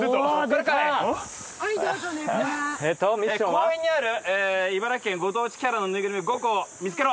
「公園にある茨城県ご当地キャラのぬいぐるみ５個見つけろ！」。